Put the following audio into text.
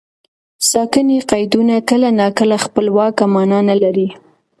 ساکني قیدونه کله ناکله خپلواکه مانا نه لري.